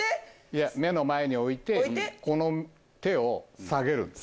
いや目の前に置いてこの手を下げるんです。